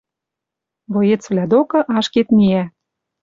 Боецвлӓ докы ашкед миӓ.